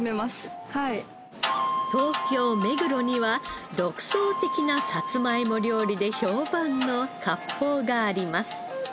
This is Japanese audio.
東京目黒には独創的なさつまいも料理で評判の割烹があります。